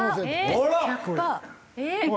あら！